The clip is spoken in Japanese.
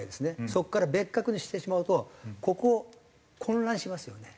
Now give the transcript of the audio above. そこから別格にしてしまうとここ混乱しますよね。